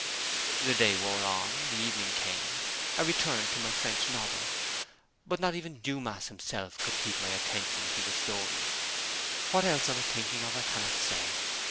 The day wore on; the evening came. I returned to my French novel. But not even Dumas himself could keep my attention to the story. What else I was thinking of I cannot say.